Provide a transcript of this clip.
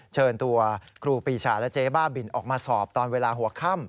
เชิญตัวครูปีชาและเจ๊บ้าบินออกมาสอบตอนเวลาหัวค่ำ